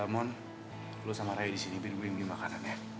mon lo sama rai di sini biar gue ambil makanan ya